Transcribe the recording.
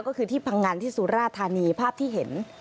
ก็คือที่พังงันที่สุราธานีภาพที่เห็น